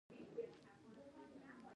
هغې ورباندې چيغه کړه.